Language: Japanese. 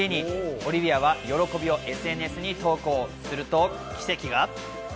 オリヴィアは喜びをＳＮＳに投稿すると奇跡が。